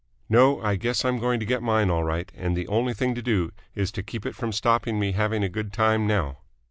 No, I guess I'm going to get mine all right, and the only thing to do is to keep it from stopping me having a good time now."